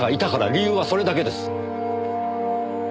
理由はそれだけです。